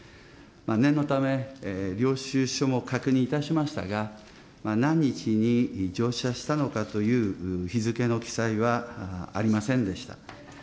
念のため、領収書も確認いたしましたが、何日に乗車したのかという日付の記載はありませんでした。